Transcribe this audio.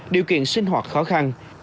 điều kiện sinh hoạt khó khăn